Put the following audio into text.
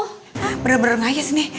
hah bener bener ngayas nih